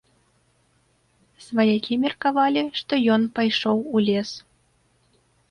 Сваякі меркавалі, што ён пайшоў у лес.